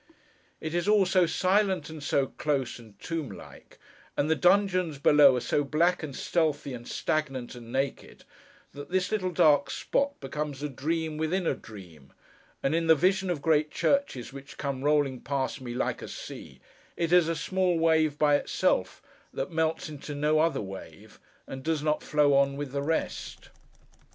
It is all so silent and so close, and tomb like; and the dungeons below are so black and stealthy, and stagnant, and naked; that this little dark spot becomes a dream within a dream: and in the vision of great churches which come rolling past me like a sea, it is a small wave by itself, that melts into no other wave, and does not flow on with the rest.